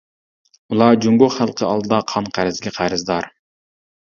ئۇلار جۇڭگو خەلقى ئالدىدا قان قەرزىگە قەرزدار.